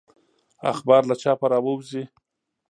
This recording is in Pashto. اخبار له چاپه راووزي.